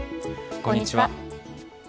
こんにちは。